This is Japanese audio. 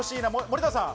森田さん。